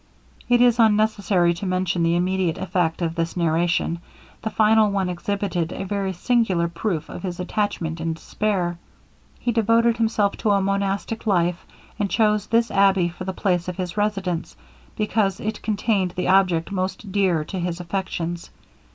It is unnecessary to mention the immediate effect of this narration; the final one exhibited a very singular proof of his attachment and despair; he devoted himself to a monastic life, and chose this abbey for the place of his residence, because it contained the object most dear to his affections.